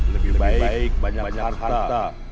lebih baik banyak harta